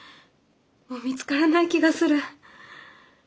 もう見つからない気がする。